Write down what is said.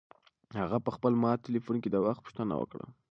هغه په خپل مات تلیفون کې د وخت پوښتنه وکړه.